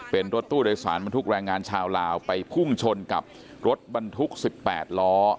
เป็นรถตู้โดยสารบรรทุกแรงงานชาวลาวไปพุ่งชนกับรถบรรทุก๑๘ล้อ